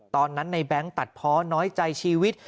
ตอนนั้นในแบงค์ตัดเพาะน้อยใจชีวิต